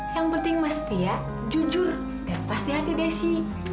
yang penting mesti ya jujur dan pasti hati desi